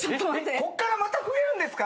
こっからまた増えるんですか？